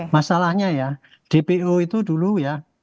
masalahnya ya dpo itu dulu ya